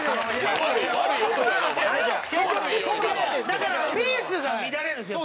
だからペースが乱れるんですよ。